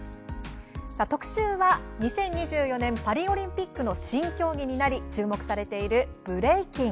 特集は、２０２４年パリオリンピックの新競技になり注目されているブレイキン。